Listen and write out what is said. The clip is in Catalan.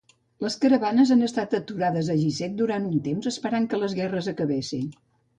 Les caravanes han estat aturades a Gizeh durant un temps esperant que les guerres acabessin.